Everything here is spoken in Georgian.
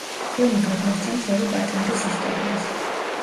ფილმი გადმოსცემს ორი პატიმრის ისტორიას.